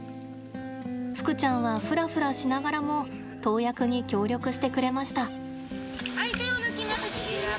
ふくちゃんはフラフラしながらも投薬に協力してくれました。